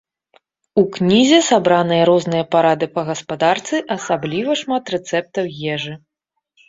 У кнізе сабраныя розныя парады па гаспадарцы, асабліва шмат рэцэптаў ежы.